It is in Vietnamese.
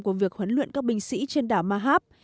của việc huấn luyện các binh sĩ trên đảo mahab